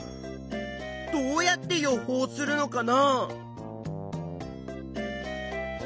どうやって予報するのかな？